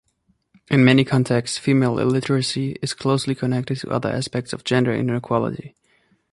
In many contexts, female illiteracy is closely connected to other aspects of gender inequality.